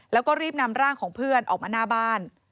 แล้วก็รีบนำร่างของเพื่อนออกมาหน้าบ้าน